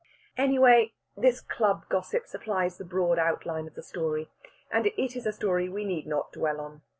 Anyhow, this club gossip supplies all the broad outline of the story; and it is a story we need not dwell on.